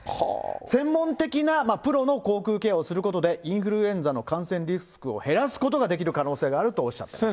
専門的なプロの口腔ケアをすることで、インフルエンザの感染リスクを減らすことができる可能性があるとおっしゃってます。